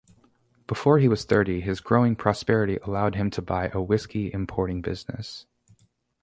Before he was thirty, his growing prosperity allowed him to buy a whiskey-importing business.